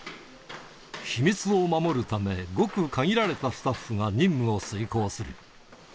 秘密を守るため、ごく限られたスタッフが任務を遂行する。